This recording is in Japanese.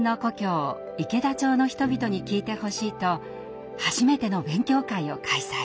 池田町の人々に聞いてほしいと初めての勉強会を開催。